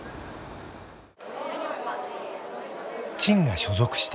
陳が所属していた